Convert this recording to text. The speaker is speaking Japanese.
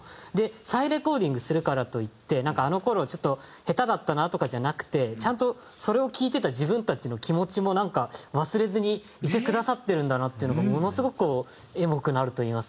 再レコーディングするからといってあの頃ちょっと下手だったなとかじゃなくてちゃんとそれを聴いてた自分たちの気持ちも忘れずにいてくださってるんだなっていうのがものすごくこうエモくなるといいますか。